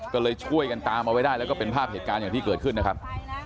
ก็เลยช่วยกันตามเอาไว้ได้แล้วก็เป็นภาพเหตุการณ์อย่างที่เกิดขึ้นนะครับ